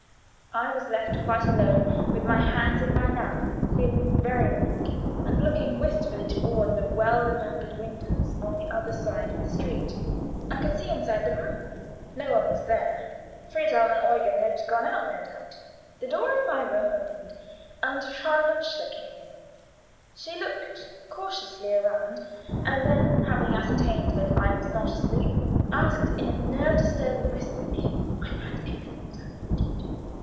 I was left quite alone, with my hands in my lap, feeling very weak, and looking wistfully toward the well remembered windows on the other side of the street. They were wide open; I could see inside the room. No one was there Friedhelm and Eugen had gone out, no doubt. The door of my room opened, and Frau Lutzler came in. She looked cautiously around, and then, having ascertained that I was not asleep, asked in a nerve disturbing whisper if I had everything that I wanted.